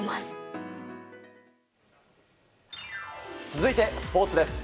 続いて、スポーツです。